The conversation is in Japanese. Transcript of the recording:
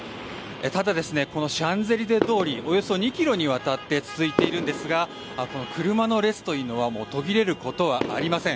ただ、このシャンゼリゼ通りおよそ２ｋｍにわたって続いているんですが車の列というのは途切れることはありません。